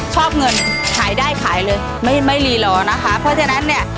ชอบเงินขายได้ขายเลยไม่ไม่รีรอนะคะเพราะฉะนั้นเนี่ย